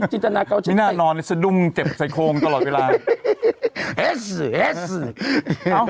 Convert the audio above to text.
หรอไม่น่านอนจะดุ้งเจ็บใส่โค้งตลอดเวลาฉันก็คิดจินจนาเก่าว่าฉันเตะ